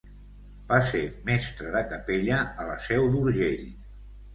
Va ser mestre de capella a la Seu d'Urgell.